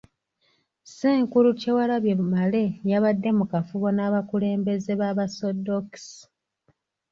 Ssenkulu Kyewalabye Male yabadde mu kafubo n'abakulembeze b'Abasoddokisi.